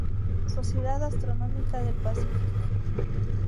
Sociedad Astronómica del Pacífico.